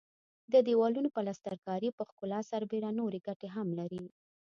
د دېوالونو پلستر کاري پر ښکلا سربېره نورې ګټې هم لري.